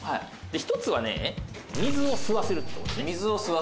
「１つはね水を吸わせるって事ですね」